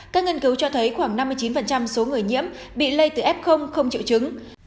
các nghiên cứu cho thấy khoảng năm mươi chín số người nhiễm bị lây từ f không triệu chứng